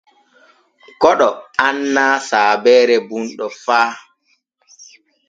Koɗo annaa saabeere bunɗo fa.